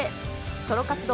ソロ活動